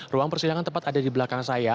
ruang persidangan tepat ada di belakang saya